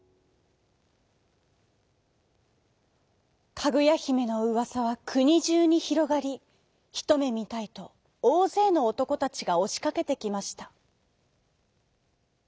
かぐやひめのうわさはくにじゅうにひろがりひとめみたいとおおぜいのおとこたちがおしかけてきました。